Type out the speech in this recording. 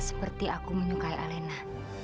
seperti aku menyukai alena